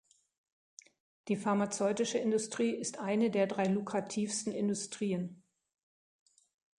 Die pharmazeutische Industrie ist eine der drei lukrativsten Industrien.